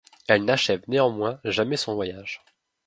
Elle n'achève néanmoins jamais son voyage.